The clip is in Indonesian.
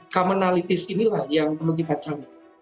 commonalities inilah yang perlu kita cari